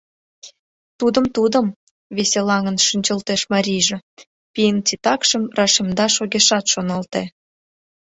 — Тудым-тудым, — веселаҥын шинчылтеш марийже, пийын титакшым рашемдаш огешат шоналте.